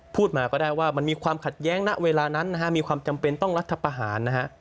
พูดมาก็ได้ว่ามันมีความขัดแย้งณเวลานั้นนะฮะมีความจำเป็นต้องรัฐประหารนะฮะ